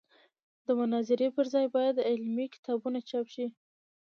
د مناظرې پر ځای باید علمي کتابونه چاپ شي.